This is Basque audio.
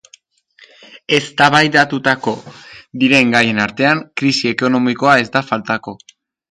Eztabaidatuko diren gaien artean, krisi ekonomikoa ez da faltako.